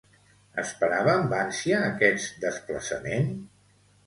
Esperava amb ànsia aquest desplaçament?